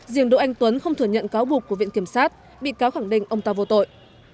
riêng đỗ anh tuấn không thừa nhận cáo buộc của viện kiểm sát bị cáo khẳng định ông ta vô tội